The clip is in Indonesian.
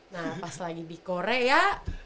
nah pas lagi di korea ya